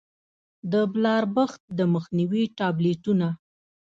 د بلاربښت د مخنيوي ټابليټونه